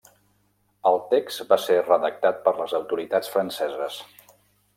El text va ser redactat per les autoritats franceses.